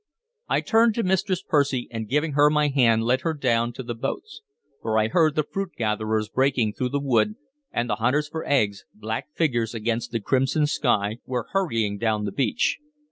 I turned to Mistress Percy, and giving her my hand led her down to the boats; for I heard the fruit gatherers breaking through the wood, and the hunters for eggs, black figures against the crimson sky, were hurrying down the beach.